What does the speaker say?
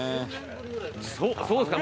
そうですか。